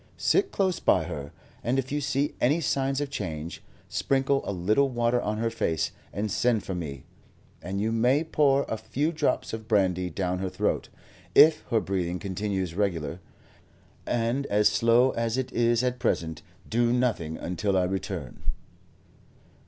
Sit close by her, and if you see any signs of change, sprinkle a little water on her face and send for me; and you may pour a few drops of brandy down her throat. If her breathing continues regular, and as slow as it is at present, do nothing until I return."